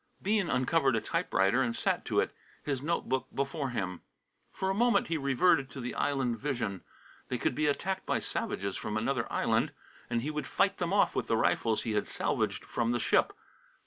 Bean uncovered a typewriter and sat to it, his note book before him. For a moment he reverted to the island vision. They could be attacked by savages from another island, and he would fight them off with the rifles he had salvaged from the ship.